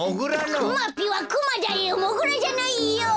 くまぴはクマだよモグラじゃないよ！